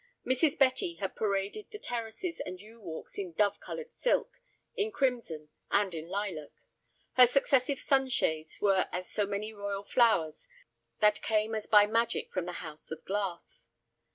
Mrs. Betty had paraded the terraces and yew walks in dove colored silk, in crimson, and in lilac. Her successive sunshades were as so many royal flowers that came as by magic from the house of glass.